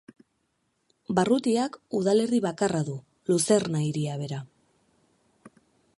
Barrutiak udalerri bakarra du, Luzerna hiria bera.